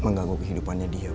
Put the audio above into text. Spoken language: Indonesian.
mengganggu kehidupannya dia bu